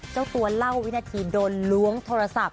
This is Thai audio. เจ้าตัวเล่าวินาทีโดนล้วงโทรศัพท์